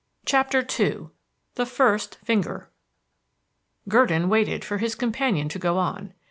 CHAPTER II THE FIRST FINGER Gurdon waited for his companion to go on.